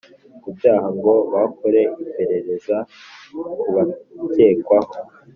ku byaha ngo bakore iperereza ku bakekwaho